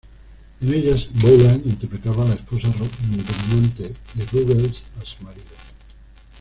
En ellas Boland interpretaba a la esposa dominante, y Ruggles a su marido.